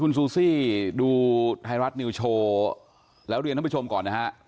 คุณซูซี่ดูไทยรัฐนิวโชว์แล้วเรียนท่านผู้ชมก่อนนะฮะ